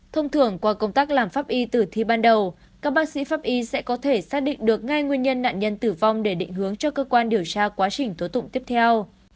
thông thường qua công tác làm pháp y từ thi ban đầu các bác sĩ pháp y sẽ có thể xác định được ngay nguyên nhân nạn nhân tử vong để định hướng cho cơ quan điều tra quá trình tố tụng tiếp theo